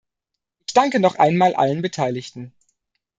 Ich danke noch einmal allen Beteiligten.